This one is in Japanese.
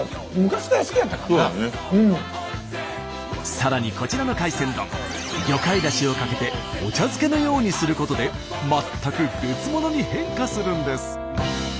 さらにこちらの海鮮丼魚介だしをかけてお茶漬けのようにすることで全く別物に変化するんです。